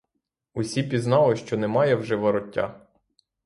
Усі пізнали, що немає вже вороття.